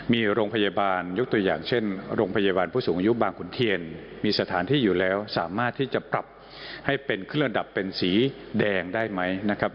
มีโรงพยาบาลยกตัวอย่างเช่นโรงพยาบาลผู้สูงอายุบางขุนเทียนมีสถานที่อยู่แล้วสามารถที่จะปรับให้เป็นเครื่องระดับเป็นสีแดงได้ไหมนะครับ